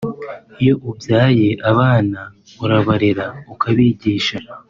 Iyo ubyaye abana urabarera ukabigisha